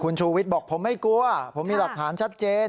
ชูวิทย์บอกผมไม่กลัวผมมีหลักฐานชัดเจน